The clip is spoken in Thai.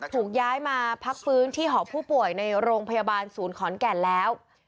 ถูกย้ายมาพักฟื้นที่หอผู้ป่วยในโรงพยาบาลศูนย์ขอนแก่นแล้ว